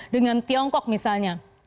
dengan tiongkok misalnya